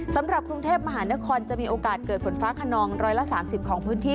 สำหรับกรุงเทพมหานครจะมีโอกาสเกิดฝนฟ้าขนอง๑๓๐ของพื้นที่